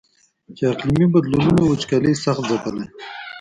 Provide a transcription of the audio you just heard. چې اقلیمي بدلونونو او وچکالۍ سخت ځپلی.